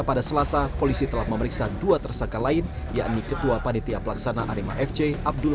pada selasa polisi telah memeriksa dua tersangka lain yakni ketua panitia pelaksana arema fc abdul